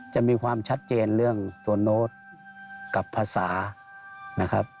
จะมีความชัดเจนเรื่องตัวโน้ตกับภาษานะครับ